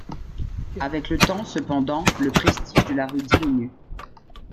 Avec le temps, cependant, le prestige de la rue diminue.